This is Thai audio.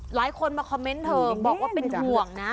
หลายคนมาคอมเมนต์เธอบอกว่าเป็นห่วงนะ